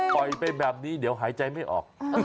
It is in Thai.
ปล่อยเป็นแบบนี้เดี๋ยวหายใจไม่ออก